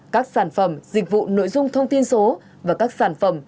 các sản phẩm dịch vụ nội dung thông tin số và các sản phẩm